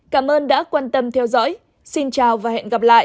cảm ơn đã quan tâm theo dõi xin chào và hẹn gặp lại